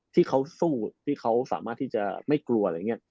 ที่เขาสู้ที่เขาสามารถที่จะไม่กลัวอะไรอย่างนี้